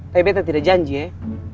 tapi betta tidak janji eh